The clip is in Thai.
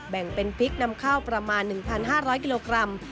แบ่งเป็นพริกนำข้าวประมาณ๑๕๐๐กิโลกรัม